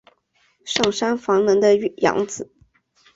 上杉房能的养子。